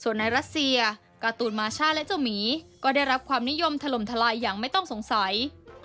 ส่วนในรัสเซียกาตุ๋นมาช่าจะเมียได้รับความนิยมทะลมทะลายอย่างไม่ต้องสงสัย